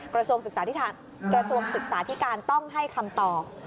กระทรวงศึกษาธิการต้องให้คำตอบ